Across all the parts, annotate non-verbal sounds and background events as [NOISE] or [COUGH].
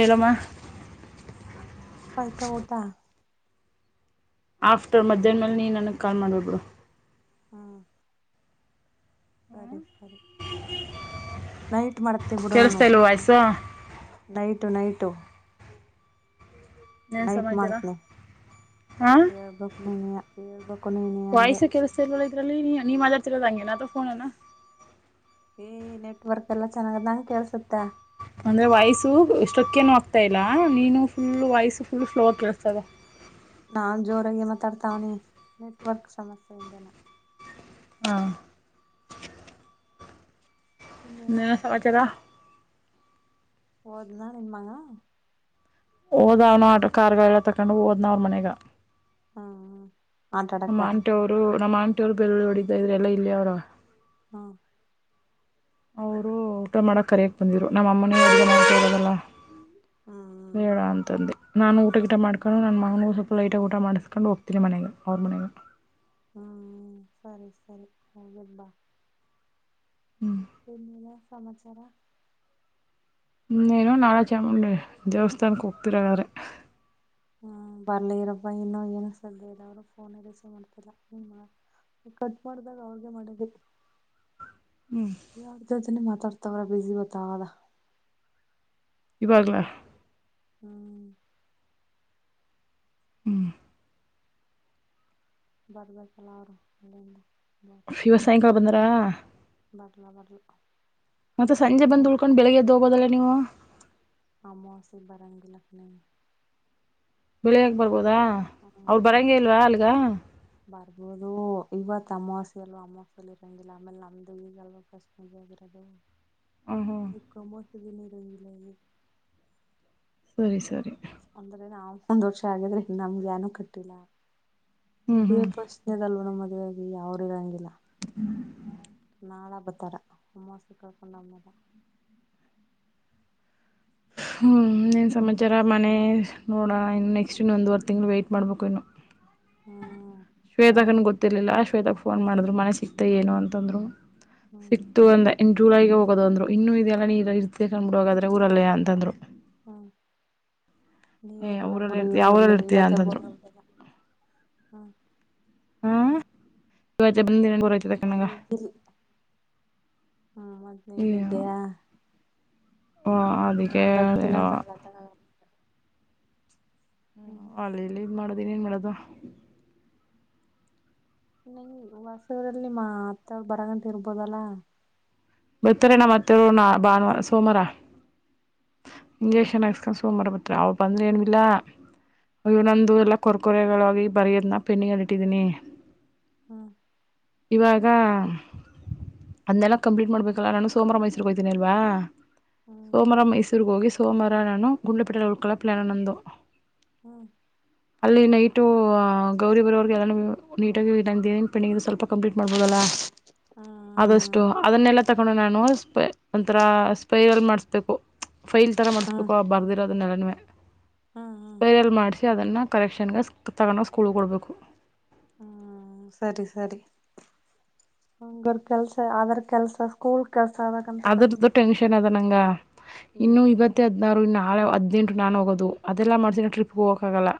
ಎಲ್ಲೋಮಾ. ಆಯ್ತಾ ಊಟಾ. ಆಫ್ಟರ್ ಮಧ್ಯಾಹನ್ಮೇಲೆ ನೀ ನನಗೆ ಕಾಲ್ ಮಾಡ್ಮೇಲೆ ಬಿಡು. ಹ. ಸರಿ ಸರಿ ನೈಟ್. ಟ್ ಮಾಡ್ತಿ ಬಿಡು ನಾನು ಕೇಳಿಸ್ತಾ ಇಲ್ವ ವಾಯ್ಸು ನೈಟು ನೈಟು. ಏನು ನೈಟ್ ಸಮಾಚಾರ ಮಾಡ್ತೀನಿ ಹೇಳ್ಬಕ್ ನೀನೆಯಾ ಹೇಳ್ಬ. ವಾಯ್ಸೇ ಕೆಳಸ್ತಿಲ್ವಲ್ಲಾ ಇದ್ರಲ್ಲಿ ನೀ ನೀ ಮಾತಾಡ್ತಿರೋದೆ ಹಂಗೆನಾ ಫೋನನಾ. ಏ ನೆಟ್ವರ್ಕ್ ಎಲ್ಲಾ ಚೆನ್ನಾಗದ ನಂಗ್ ಕೇಳಸುತ್ತೇ. ಅಂದ್ರೆ ವಾಯ್ಸು ಸ್ಟ್ರಕ್ಕೇನು ಆಗ್ತಾ ಇಲ್ಲಾ ನೀನು ಫುಲ್ ವಾಯ್ಸು ಫುಲ್ ಫ್ಲೋ ಆಗಿ ಕೆಳಸ್ತಾಯದೆ. ನಾನ್ ಜೋರಾಗಿ ಮಾತಾಡ್ತಾವನಿ ನೆಟ್ವರ್ಕ್ ಸಮಸ್ಯೆೆಯಿಂದನ. ಹಾ. ಇನ್ನೇನ ಇನ್ನೇನು ಸಮಾಚಾರಾ. ಹೋದ್ನಾ ನಿನ್ಮಗಾ. ಓದಾ ಅವ್ನು ಆಟೋ ಕಾರ್ ಗಾ ಎಲ್ಲಾ ತಕೊಂಡು ಓದ್ನಾವ್ರ ಮನೆಗ. ಹಾ. ನಮ್ಮ ಆಂಟಿವ್ರು ನಮ್ಮ್ ಆಂಟಿವ್ರು ಬೆಳ್ಳುಳ್ಳಿ ಓಡಿತಿದರೆ ಎಲ್ಲಾ ಇಲ್ಲೇ ಅವರೆ. ಹಾ. ಅವರು ಊಟಾ ಮಾಡಕ್ಕ ಕರೆಯಕ್ಕ ಬಂದಿರು ನಮ್ಮ ಅಮ್ಮನಿವ್ರರಿಗೆ ನಾವು ಕೇಳೋದಲ್ಲ. ಹ್ಮ್ ಹ್ಮ್ ಬೇಡಾ ಅಂತಂದೆ. ನಾನು ಊಟ ಗೀಟ ಮಾಡ್ಕೊಂಡು ನನ್ನ ಮಗನಗೂ ಸ್ವಲ್ಪ ಲೈಟಾಗಿ ಊಟ ಮಾಡಿಸ್ಕೊಂಡು ಹೋಗ್ತೀನಿ ಮನೆಗೆ ಅವ್ರ ಮನೆಗೆ. ಹ್ಮ್ ಸರಿ ಸರಿ ಹೋಗ್ ಬಿಟ್ ಬಾ. ಏನಿಲ್ಲಾ ಸಮಾಚಾರ. ನೀನು ನಾಳೆ ಚಾಮುಂಡಿ ದೇವಸ್ಥಾನಕ್ಕ ಹೋಗ್ತಿರಾ ಹಾಗಾದ್ರೆ. ಹ್ಮ ಬರ್ಲಿ ಇರಪ್ಪ ಇನ್ನು ಏನ ಸದ್ದೇ ಇಲ್ಲಾ ಅವ್ರು ಫೋನ್ ರಿಸೀವ್ ಮಾಡ್ತಿಲ್ಲಾ. ನೀ ಕಟ್ ಮಾಡ್ದಾಗ ಅವ್ರಗೆ ಮಾಡಿದೇ. ಹ್ಞೂ ಯಾರ ಜೊತೆನೆ ಮಾತಾಡ್ತವ್ರ ಬಿಜಿ ಬರ್ತಾದ. ಈವಾಗ್ಲಾ. ಹ್ಮ್. ಹ್ಮ್. ಬರ್ಬೆಕ್ಲಾ ಅವ್ರು ಹಿಂದೆ ಹಿಂದೆ. ಇವತ್ ಸಾಯಂಕಾಲಾ ಬಂದ್ರಾ. ಬರ್ಲಾ ಬರ್ಲ. ಮತ್ತೆ ಸಂಜೆ ಅಮ್ಮ ಬಂದ್ ಉಳ್ಕೊಂಡ ಬೆಳಗ್ಗೆ ಎದ್ದ ಹೋಗ್ಬೋದಲ್ಲಾ ನೀವು. ಆಮ್ಮಾಸ ಬರಂಗಂಗಲ್ ಅಪ್ನೆ ಬೆಳಿಯಕ್ ಬರ್ಬೋದಾ ಅವ್ರ ಬರಂಗಗೆ ಇಲ್ವಾ ಅಲ್ಗ ಬರ್ಬಹದು ಇವತ್ ಅಮಾವಾಸ್ಯ ಅಲ್ವಾ ಅಮಾವಾಸ್ಯಲಿ ಇರಂಗಿಲ್ಲ ಆಮೇಲೆ ನಮ್ದು ಈಗ ಅಲ್ವ ಕಸ್ಮ ಹದ್ರೆ ಹ್ಞೂ ಹ್ಞೂ ಇದು ಕಮೋಸಗಿನ ರಿಲ್ಲ ಸರಿ ಸರಿ ಒಂದ್ರೆ ನಾವ ಒಂದ್ ವರ್ಷ ಆಗಿದ್ರೆ ನಮ್ಗೆ ಏನ ಕಟ್ಟಿಲ್ಲ ಹ್ಞೂ ಇದೇ ಹ್ಞೂ ಪ್ರಶ್ನೆದಲ್ವಣ ಮದುವಾಗಿ ಯಾವ್ ಇರಂಗಿಲ್ಲ ನಾಳ ಬತ್ತ ತರಮ್ಮಸ ಕಳ್ಕೊಂಡಮ್ಮರ ಹ್ಞೂ ನೀನು ಸಮಾಚಾರ ಮನೆ ನೋಡೋಣ ಇನ್ನು ನೆಕ್ಸ್ಟ್ ಇನ್ನು ಒಂದೂವರೆ ತಿಂಗ್ಗಳು ವೆಯ್ಟ್ ಮಾಡಬೇಕು ಇನ್ನು ಹ್ಮ ಶ್ವೇತಕನ ಗೊತ್ತಿಲಿಲ್ಲ ಶ್ವೇತಾ ಫೋನ್ ಮಾಡಿದ್ರು ಮನೆ ಸಿಗ್ತ ಏನು ಅಂತಂದ್ರು ಹ್ಮ್ ಸಿಕ್ತು ಅಂದ ಎಂಟ ಜುಲೈಗೆ ಹೋಗೋದು ಅಂದ್ರು ಇನ್ನುೂ ಇದೆಲ್ಲ ನೀರು ಇರ್ದೆ ಕಂಡ್ಬಿಡೋಗಾದ್ರೆಊರಲ್ಲೇ ಅಂತಂದರು ಹ್ಮ ಏ ನೀರ್ಲ್ಲ ಊರಲ್ಲ ಬಿುಡಿ ಇರ್ತಿ ಯಾವ ಊರಲ್ಲಿ ಇರ್ತೀಯ ಊರ್ಲ್ಲಿವತ್ತ ಅಂತಂದ್ರು ಹ್ಮ ಹ ಇವ ಬಂದಿನ ಊರಯ್ತದೆ ಕಣಂಗ ಅದೇ ಹ್ಮ್ ಮದ್ನೇಲ್ಲ ಇದಿದ್ದಯಾ ಹಾ ಅದಕ್ಕೆ ಕಾಲ ತಗಲ್ಲ ಹ್ಮ್ ಹ್ಮ ಅಲ್ಲಿ ಇಲ್ಲಿ ಇದ್ ಮಾಡದನ್ ಏನ್ ಮಾಡೋದು ನೀ ಹೊಸರಲ್ಲಿ ನಿಮ್ಮ ಅತ್ತವರು ಬರಗಂಟ ಇರ್ಬೋದಲ್ಲ ಬರ್ತಾರೆಣ ಮತ್ತೆರ ನಾ ಭಾನುವಾರ ಸೋಮಾರ ಹ್ಮ್ ಇಂಜೆಕ್ಷನ್ ಹಾಕ್ಸ್ಕೊಂಡ್ ಸೋಮವಾರ ಬತ್ ಅವವು ಬಂದ್ರೆ ಏನ್ವಿಲ್ಲಾ ಹ್ಮ್ ಇನಂದು ಎಲ್ಲ ಕೊರ್ ಕೊರೆಗಳಾಗಿ ಬರೆಯೋದ್ನ ಪೆಂಡಿಗೆಲ್ಲಿ ಇಟ್ಟಿದ್ದೀನಿ ಹ್ಮ ಇವಾಗ ಹ್ಮ್ ಅಂದೆಲ್ಲ ಕಂಪ್ಲೀಟ್ ಮಾಡ್ಬೇಕಲ್ಲ ನನ ಸೋಮರ ಮೈಸೂರಿಗೆಗೆ ಹೋಗ್ತೀನಿ ಅಲ್ವಾ ಹ್ಮ್ ಸೋಮ್ರ ಹ್ಮ್ ಮೈಸೂರು ಹೋಗಿ ಸೋಮಾರ ನಾನು ಗಂಡಪಟ್ಟಟೆಯಲ್ಲಿ ಉಳ್ಕೊಳ್ಳ ಪ್ಲ ನ ನಂದ ಹ್ಮ್ ಅಲ್ಲಿ ನೈಟು ಗೌರಿ ಬರೋಗೆ ಎಲ್ಲ ನೀಟಾಗಿನ್ ಪಿಂಡಿಗೆ ಸ್ವಲ್ಪ ಕಂಪ್ಲೀಟ್ ಮಾಡ್ಬೋದಲ್ಲ ಆದಷ್ಟು ಹ್ಮ್ ಅದನ್ನೆಲ್ಲ ತಗೊಂಡು ನಾನು ಆಥರ ಸ್ಪೈರಲ್ ಮಾಡಸ್ಕು ಫೈಲ್ ತರ ಹ್ಮ್ ಮಾಡ್ಸ್ಬೇಕು ಆ ಬರ್ದಿರೋದ ನೆಲನವೇ ಹ್ಮ್ ಸ್ಪೇರಲ್ ಮಾಡಿಸಿ ಅದನ್ನ ಕರೆಕ್ಷನ್ಗೆ ತಗೊಂಡೋಗ ಸ್ಕೂಳ್ ಕೊಡ್ಬೇಕು ಹ್ಮ ಸರಿ ಸರಿ ಹಂಗರ್ ಕೆಲ್ಸ ಅದ್ರ ಕೆಲ್ಸ ಸ್ಕೂಲ್ ಕೆಲ್ಸ ಆದದಕಂತಕ್ಕದ ಹಿಂಗ ಅದ್ರದ್ದು ಟೆನ್ಷನ್ ಅದ ನಂಗ ಇನ್ನು ಇವತ್ತ ಹದ್ನಾರು ಇನ್ನು ನಾಳೆ ಹದ್ನೆಂಟು ನಾನು ಹೋಗೋದು ಅದೆಲ್ಲ ಮಾಡ್ತೀನಿ ಟ್ರಿಪ್ಗೆ ಹೋಗಕ್ಕಾಗಲ್ಲ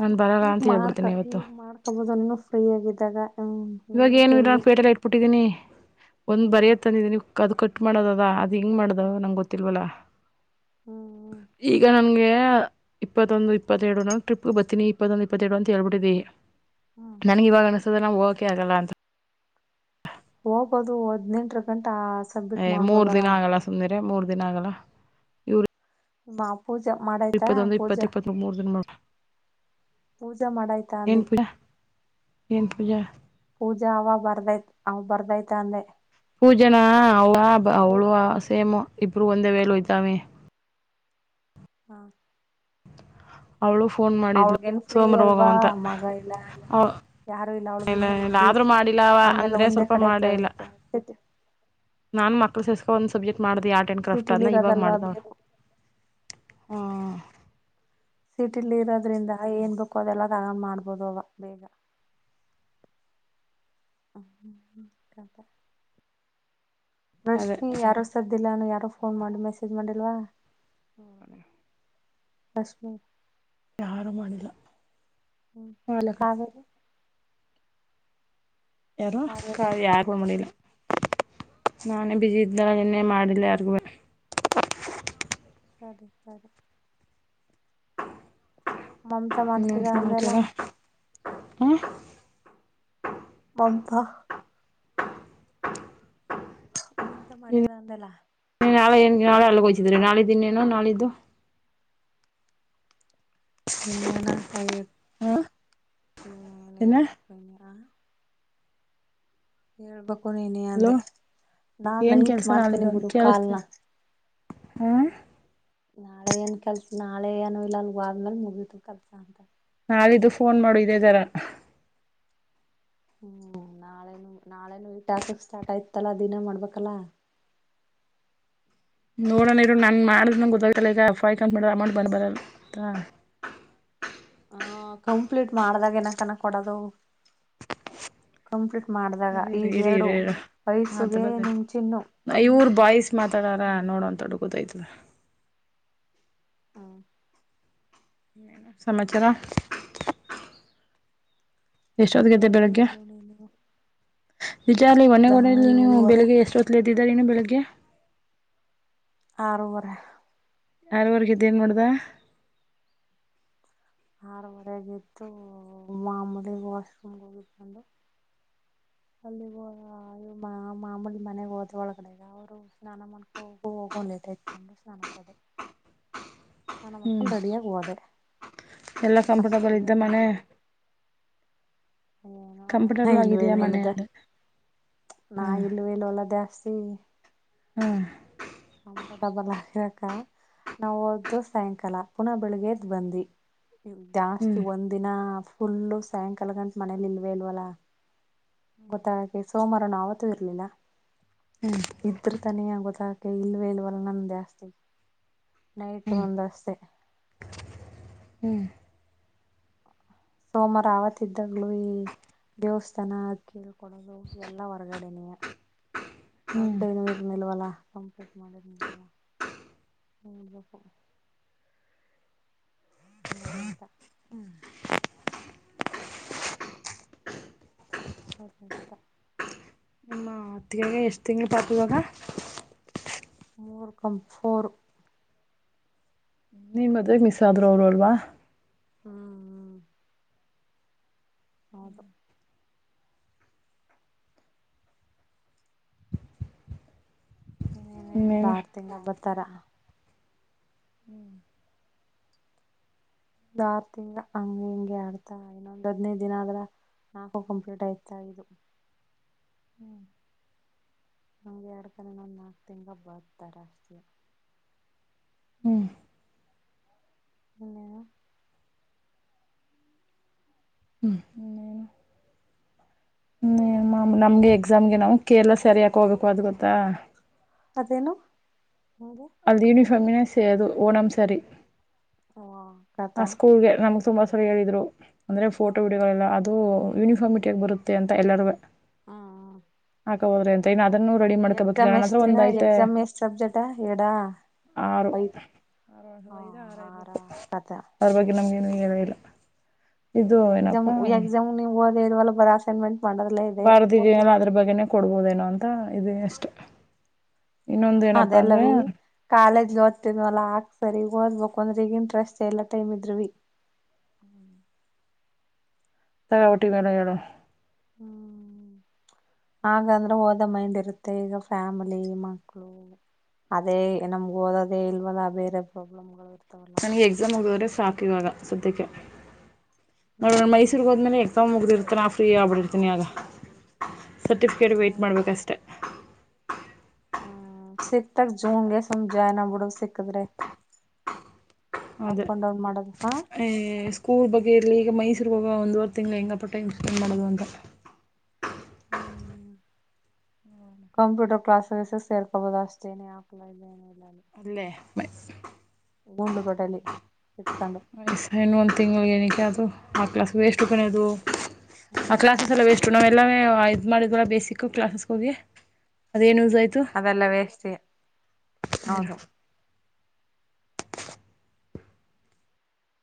ನಾನು ಬರಲ್ಲ ಈಗ ಅಂತ ಮಾಡ್ಕ ಹೇಳ್ಬಿಡ್ತೀನಿ ಇವತ್ತು ಈಗ ಮಾಡ್ಕೊಬೋದು ನೀ ಫ್ರೀಯ ಆಗಿದ್ದಾಗ ಹೇಟೈ ಇಬಿಟ್ಟಿದ್ದನಿ ಒಂದ್ ಬರಿ ತಂದಿ ಅದು ಕಟ್ ಮಾಡೋದದ ಅದು ಹಿಂಗೆ ಮಾಡೋದ ನಂಗೆ ಗೊತ್ತಲ್ವಲ್ಲ ಹ್ಮ್ ಈಗ ನನ್ಗೆ ಇಪ್ಪತ್ತೊಂದು ಇಪ್ಪತ್ತೆರಡು ನ ಟ್ರಿಪ್ಗೆ ಬತೀನಿ ಇಪ್ಪತ್ತೊಂದು ಇಪ್ಪತ್ತೆರಡು ಅಂತ ಹೇಳ್ಬಿಟ್ಟಿದಿ ಹ್ಮ್ ನನ್ಗ ಇವಾಗ ಅನ್ಸುದ ನ ಹೋಗಕೆ ಆಗಲ್ಲ ಅಂತ ಹೋಗೋದು ಹದ್ನೆಂಟರ ಗಂಟೆ ಯ ಮೂರ್ ದಿನ ಆಗಲ್ಲ ಸುಮಿರ ಮೂರ್ ದಿನ ಆಗಲ್ಲ ಇವ್ರ ಮ್ಮ ಪೂಜಾ ಮಾಡಾಯ್ತಾ ಪೂಜಾ ಇಪ್ಪತ್ತ್ಮೂರು ಮೂರು ದಿನ ಮಾಡ ಪೂಜಾ ಮಾಡೈತಾ ಅಂದಿ ಏನ್ ಪೂಜಾ ಪೂಜಾ ಅವ ಬರ್ದೈತ್ ಅವ ಬರ್ದೈತ ಅಂದೆ ಪೂಜನಾ ಅವ ಅವಳೂ ಹೌದಾ ಸೇಮ್ ಇಬ್ರು ಒಂದೇ ವೇಳೋಯ್ತಾವೆ ಹಾ [UNINTELLIGIBLE] ಅವಳು ಫೋನ್ ಮಾಡಿದ್ಲು ಫ್ರೀ ಸೋಮಾರ ಅಲ್ವಾ ಹೋಗವಂತ ಮಗ ಇಲ್ಲ ಅವ ಯಾರ್ ಯಾರು ಅವಳಗ ಇಲ್ಲ ಇನ್ನುೂ ಇಲ್ಲ ಈಸಿ ಆದ್ರರು ಮಾಡಿಲ್ಲವ ಆಮೇಲೆ ಅಂದ್ರೆ ಒಂದೇ ಸ್ವಲ್ಪ ಕಡೆ ಮಾಡೇ ಇಲ್ಲ ನಾನ್ ಮಕ್ಳ ಸಸ್ಕೊ ಒಂದ್ ಸಬ್ಜೆಕ್ಟ್ ಮಾಡ್ದ ಆರ್ಟ್ ಅಂಡ್ ಕ್ರಾಫ್ಟ್ ಸಿಟಿಲಿ ಅನ್ನ ಇವಾಗ ಇರೋದಲ್ವಾ ಮಾಡ್ದವ್ಳ ಬೇಗ ಹಾ ಸಿಟಿಲಿ ಇರೋದ್ರಿಂದ ಏನ್ ಬು ಅದೆಲ್ಲ ಕರ ಮಾಡ್ಬೋದು ಅವ ಬೇಗ ಹ್ಮಂತ [INAUDIBLE] ಅದೇ ರಶ್ಮಿ ಯಾರೋ ಸರ್ಲ್ಲಾನು ಯಾರೋ ಫೋನ್ ಮಾಡಿ ಮೆಸೇಜ್ ಮಾಡಿಲ್ವಾ ಹ [INAUDIBLE] ಬಷ್ಟ್ಮ [INAUDIBLE] ಯಾರು ಮಾಡಿಲ್ಲ ಹ್ಮ್ ಮಾಲಕ ಕಾದರಿ [INAUDIBLE] ಯಾರೋ ಕ ಕಾವೇರಿ ಯಾರ ಮುಲ್ಲ ನಾನೇ ಹ್ಮ್ ಬ್ಯುಸಿಇದ್ದಲ್ಲ ನೆನ್ನೆ ಮಾಡಿಲ್ಲ ಯಾರಿಗುವ ಸರಿ ಸರಿ [INAUDIBLE] ಮಮತಾ ಹ್ಮ್ ಮಾಡ್ತಿದ ಅಂದೆಲ್ಲ ಸಮಾಚಾರ ಹ ಒಂತ [INAUDIBLE] ಹಮಂತ ಮಾಡದ ಅಂತಲ್ಲ ನಾಳೆಏನ್ಗೆ ನಾಳೆ ಅಳಗೆೋಯ್ದ್ರಿ ನಾಳಿದ್ದ ಇನ್ನೇನು ನಾಳಿದ್ದು ನಿನ್ನೇನ ಅರಿ ಹಾ ಎನ್ನ ಹೇಳ್ಬೇಕು ಇನ್ ಆ ಹೇಳ್ಬೇಕು ನೀನಿ ಹಲೋ ಅಂದೆ ನಾನ್ ಏನ್ ನೈಟ್ ಕೆಲ್ಸ ಮಾಡ್ತೇನಿ ಬಿಡು ಕಾಲ್ನ ಹ ನಾಳೆ ಏನ್ ಕೆಲ್ಸ ನಾಳೆ ಏನು ಇಲ್ಲ ಅಲ್ ಆದ್ಮೇಲೆ ಮುಗಿತು ಕೆಲ್ಸ ಅಂತ ನಾಳಿದ್ದು ಫೋನ್ ಮಾಡು ಇದೇ ತರ ಹ್ಮ್ ನಾಳೆನು ನಾಳೆನು ಈ ಕಾಸಕ್ ಸ್ಟಾರ್ಟ್ ಆಯ್ತಲ್ಲ ದಿನ ಮಾಡ್ಬೇಕಲ್ಲ [UNINTELLIGIBLE] ನೋಡೋಣ ಇ ನನ್ ಮಾಡ್ದ್ ನಂಗಗೆ ಗೊತ್ತಾಗತಲ್ಲ ಈಗ ಫೈ್ ಕ್ಬಿಡ್ರ ಅಮೌಂಟ್ ಬಂದ ಬರಲ್ತ್ತ [UNINTELLIGIBLE] ಆ ಕಂಪ್ಲೀಟ್ ಮಾಡಿದಾಗ ಏನನ ಕೊಡೋದು ಕಂಪ ಸರಿ ಸರಿ ಇರಿ ಇ ಆತ ವಯಸ್ಸುಗೆ ಬ ನಿಮ್ ಚಿನ್ನು ಇವ್ರ ಬಾಯ್ಸ್ ಮಾತಾಡಾರ ಹ್ಮ್ ನೋಡೋಂತ ಹಡುಗತೈತ [UNINTELLIGIBLE] ಹ್ಮ ಸಮಾಚಾರ ಎಷ್ಟೊತ್ತಿಗೆದ್ದೆ ಎನ್ನನ ಹೇಳಡುಣ ನೀ [INAUDIBLE] ನಿಜಾರಲ್ಲಿ ಒನ್ನೇಗೋಡೆಯಲ್ಲಿ ನೀ ಬೆಳಿಗ್ಗೆ ಎಷ್ಟೊತ್ಲ ಎದ್ದಿದ್ದಾರನ್ನು ಬೆಳಿಗ್ಗೆ ಆರುವರೆ ಆರವರ್ಗ ಇದ ನ್ ಮಾಡೋಡ್ದ ಆರವರೆಗ ಇತ್ತು ಮಾಮೂಲಿ ವಾಶ್ರೂಮ್ಗೆ ಹೋಗಕೊಂಡು ಅಲ್ಲಿ ಹೋ ಅ ಮಾ ಮಾಮೂಲಿ ಮನೆಗ್ ಹೋದ ಒಳಗಡೆಗ ಅವರು ಸ್ನಾನ ಮಾಡಕೊಗ ಒಳ್ಳದಐತ ಅಂದ್ರೆ ಸ್ನಾನಕ್ಕ ಅದೆ [UNINTELLIGIBLE] ಸಾನ ಹ್ಮ್ ಮರ್ಕನ್ ರೆಡಿಯಗವದ ಎಲ್ಲ ಕಂಫರ್ಟಬಲ್ ಇದ್ದ ಮನೆ ಹ ಕಂಫರ್ಟಬಲ್ ಇಲ್ವೆ ಆಗಿದೆಯಾ ಮನೆ ಇಲ್ವಲ್ಲದ ಅಂದೆ ನಾ ಹ್ಮ್ ಇಲ್ಲೂ ಇಲ್ಲಲ್ಲ ದೇವಸಿ ಹ್ಮ ಕಂಫರ್ಟಬಲ್ ಆಗಿಇರಕ ನಾ ದ್ದು ಸಾಯಂಕಾಲ ಪುನಃ ಬೆಳಿಗ್ಗೆದ್ ಬಂದಿ ಜಾಸ್ತಿ ಒಂದ್ ದಿನ ಫುಲ್ಲು ಸಾಯಂಕಾಲ ಗಂಟ ಮನೇಲಿ ಇಲ್ವೇ ಇಲ್ವಲ್ಲ ಗೊತ್ತಾಗಕೆ ಸೋಮಾರ ನ ಆವತ್ತು ಇರ್ಲಿಲ್ಲ ಇದ್ರ ತಾನೆ ಗೊತ್ತಾಗ ಇಲ್ವೆೇ ಇಲ್ವಲ್ ನಂದು ಜಾಸ್ತಿ ನೈಟ್ ಹ್ಮ್ ಒಂದ ಅಷ್ಟೆ ಹ್ಮ್ ಸೋಮಾರ ಆವತ್ ಇದ್ದಾಗ್ಲೂ ಈ ದೇವಸ್ಥಾನ ಕಳ್ಕೊಡೋದು ಎಲ್ಲಾ ವರಗಡನೆಯ ಹ್ಮ್ ಒಂದ ನು ಇನಿಲ್ವಲ್ಲ ಕಂಪ್ಲೀಟ್ ಮಾಡಿರ್ನಲ್ವಲ್ಲ ಹ್ಮ ಬೇಕ ನಿಮ್ಗೆ ಅಂತ ಹೌದಂತ ಮ ತಿಗೆ ಎಷ್ಟ್ ತಿಂಗಳು ಪಾಪು ಈವಾಗ ಮೂರ್ ಕಂಫೋರ್ ನಿಮ್ ಮದುವೆಗೆ ಮಿಸ್ ಆದ್ರರು ಅವರು ಅಲ್ವಾ ಹ್ಮ್ ಹ್ಮ್ ಹೌದು ಇನ್ನೇನೇನ ಇನ್ನೇನು ಆರ್ ತಿಂಗ ಬಾತರ ಇನ್ನೂ ಆರ್ ತಿಂಗ ಹಂಗ ಹಿಂಗಗೆ ಆಡ್ತಾ ಇನ್ನೊಂದ್ ಹದ್ನೈದು ದಿನ ಆದ್ರ ನಾಕು ಕಂಪ್ಲೂಟ್ ಆಯ್ತಾ ಇದು ನಮ ಎರಡ್ ಕಂದ ನಂದ್ ನಾಕು ತಿಂಗ ಬರ್ತಾರ ಹ್ಮ್ ಹ ಹ್ಮ್ ಇನ್ನೇನು ಹ ಮಾ ನಮ್ಗೆ ಎಕ್ಸಾಮ್ಗೆ ನಾ ಕೇರಳ ಸರಿಯಾಕ್ ಹೋಗಬೇಕು ಅದ್ ಗೊತ್ತಾ ಅದೇನು ನಿಮ್ಗೆ ಅಲ್ಲಿ ಯೂನಿಫಾರ್ಮ್ ಿನ ಸೇ ಅದು ಓಣಂ ಸರಿ ಹ ಆ ಸ್ಕೂಲ್ಗೆ ನಮಗ್ ತುಂಬಾ ಸರಿ ಹೇಳಿದ್ರು ಅಂದ್ರೆ ಹ ಫೋಟೋ ವಿಡಿಯೋಗಳೆಲ್ಲ ಅದು ಯೂನಿಫಾರ್ಮಿಟ್ಗ ಬರುತ್ತೆ ಅಂತ ಎಲ್ಲರೂವೇ ಹಾ ಹಾಬೋದ್ರ ಎಂತ ಅದನ್ನು ರೆಡಿ ಎಕ್ಸಾಮ್ ಎಷ್ಟ್ ಮಾಡ್ಕೋಬೇಕುಣಂದ್ರೆ ದಿನ ಒಂದು ಐತೆ ಎಕ್ಸಾಮ್ ಎಷ್ಟ್ ಸಬ್ಜೆಕ್ಟಾ ಎಡಾ ಆರು ಐದು ಆರು ವರ್ಷದ ಹ ಇದೆ ಆರ ಇರ್ಬೇಕು ಕಥಾ ಅದ್ರ ಬಗ್ಗೆ ನಮ್ಗೇನು ಹೇಳಲಿಲ್ಲ ಇದು ಏನಪ್ಪಾ ಇವಲ್ಲ ಬರ ಅಸೈನ್ಮಂಟ್ ಬಾರದಿದನಲ್ಲ ಅದ್ರ ಬಗ್ಗೆನೆ ಕೊಡ್ಬೋದೇನೋ ಅಂತ ಇದು ಅಷ್ಟ ಅದೆಲ್ಲಾವೀ ಕಾಲೇಜ್ಗೆ ಓದ್ತಿದ್ವಲ್ಲ ಆಗ ಸರಿ ಓದ್ಬೇಕ ಒಂದ್ರಗ ಇಂಟ್ರಸ್ಟ್ ಎಲ್ಲ ಟೈಮ್ ಇದ್ವಿ ತಗಾವಟ್ಟಿ ಮನ ನ ಹಾಗಗಂದ್ರೆ ಓದ ಮೈಂಡ್ ಇರುತ್ತೆ ಈಗ ಫ್ಯಾಮಿಲಿ ಮಕ್ಕಳು ಅದೇ ನಮ್ಗ ಓದದೇ ಇಲ್ವಲ್ಲ ಬೇರೆ ಪ್ರಾಬ್ಲಮ್ಗಳು ಇ ನನಗೆ ಎಕ್ಸಾಮ್ ಮುಗುದ್ರೆ ಸಾಕ ಇವಾಗ ಸದ್ಯಕ್ಕೆ ನೋಡಣ ಮೈಸೂರ್ಗ ಹೋದ್ಮೇಲೆ ಎಕ್ಕೊಂಡ್ ಮುಗ್ದಿರ್ತಾನಾ ಫ್ರೀ ಆಗ್ಬಿಟ್ಟಿರ್ತನಿ ಆಗ ಸರ್ಟಿಫಿಕೇಟ್ ವೆಟ ಹ ಮಾಡಬೇಕಷ್ಟೆ ಹ್ಮ್ ಸಿಕ್ತಕ್ ಜೂನ್ಗೆ ಸುಮ್ ಜಾಯ್ನ್ ಆಗ್ಬಿಡು ಸಿಕ್ಕದ್ರೆ ಅದೇ ಅ ಸ್ಕೂಲ್ ಬಗ್ಗೆ ಇರ್ಲಿ ಈಗ ಮೈಸೂರು ಇನ್ನೂ ಒಂದವರೆ ತಿಂಗಳು ಹೆಂಗಪ್ಪ ಟೈಮ್ ಸ್ಪೆಂಡ್ ಮಾಡೋದು ಅಂತ ಹ್ಮ್ ಕಂಪ್ಯೂಟರ್ ಕ್ಲಾಸಸ್ ಸೇರ್ಕೋಬಹುದು ಅಷ್ಟೇನ ಆಕ್ಲ ಅಲ್ಲೇ ಗುಂಡ್ಲುಪೇಟೆ ಹಾಗ ಸ ಇನ್ನೊಂದು ತಿಂಗಂಳಿಗೆ ಏನಕ್ಕೆ ಅದು ಆ ಕ್ಲಾಸ್ ವೇಸ್ಟ್ ಕಣ್ಣೆ ಅದು ಆ ಕ್ಲಾಸಸ್ ಎಲ್ಲ ವೇಸ್ಟ್ು ನಾವ್ೆಲ್ಲ ಇದ್ ಮಾಡಿದ್ಲ್ಲ ಬೇಸಿಕ್ ಕ್ಲಾಸಸ್ ಹೋಗಿ ಅದೇನು ಯೂಸ್ ಆಯಿತು ಅವೆಲ್ಲ ವೇಸ್ಟೆ ಇರು ಹೌದು